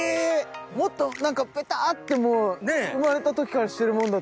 もっとペタって生まれた時からしてるもんだと。